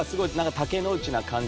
竹野内な感じ？